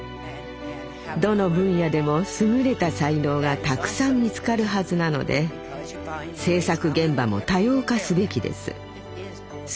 どの分野でも優れた才能がたくさん見つかるはずなので製作現場も多様化すべきです。